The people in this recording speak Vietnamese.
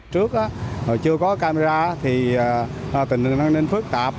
trước chưa có camera thì tình hình an ninh phức tạp